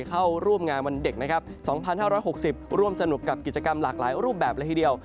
เข้าร่วมงานวันเด็กนะครับ๒๕๖๐ร่วมสนุกกับกิจกรรมหลากหลายรูปแบบเลยทีเดียว